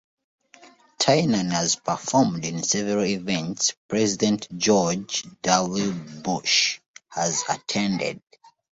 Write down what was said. Tynan has performed in several events President George W. Bush has attended.